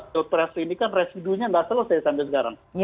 pilpres ini kan residunya nggak selesai sampai sekarang